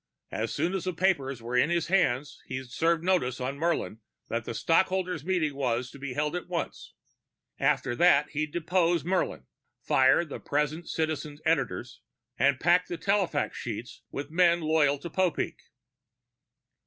As soon as the papers were in his hands, he'd serve notice on Murlin that a stock holders' meeting was to be held at once. After that, he'd depose Murlin, fire the present Citizen editors, and pack the telefax sheet with men loyal to Popeek.